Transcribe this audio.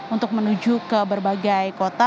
untuk menuju ke berbagai kota